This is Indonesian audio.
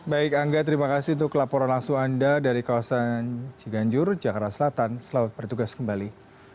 baik angga terima kasih untuk laporan langsung anda dari kawasan ciganjur jakarta selatan selamat bertugas kembali